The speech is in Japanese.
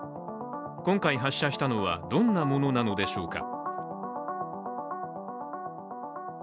今回、発射したのはどんなものなのでしょうか。